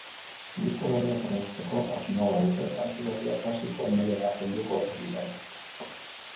Disko berria ateratzeko asmoa badute, kantu berriak klasikoen mailara helduko ote dira?